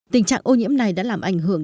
tình trạng ô nhiễm này đã làm ảnh hưởng